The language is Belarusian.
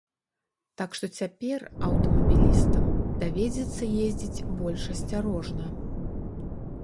Так што цяпер аўтамабілістам давядзецца ездзіць больш асцярожна.